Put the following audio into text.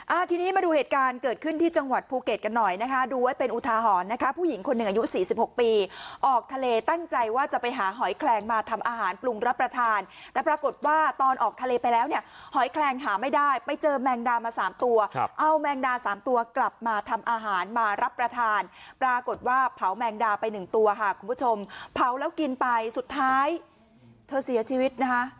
อ่าทีนี้มาดูเหตุการณ์เกิดขึ้นที่จังหวัดภูเกตกันหน่อยนะคะดูไว้เป็นอุทาหรณ์นะคะผู้หญิงคนหนึ่งอายุ๔๖ปีออกทะเลตั้งใจว่าจะไปหาหอยแคลงมาทำอาหารปรุงรับประทานแต่ปรากฏว่าตอนออกทะเลไปแล้วเนี่ยหอยแคลงหาไม่ได้ไปเจอแมงดามา๓ตัวเอาแมงดา๓ตัวกลับมาทำอาหารมารับประทานปรากฏว่าเผาแมงดาไป๑ต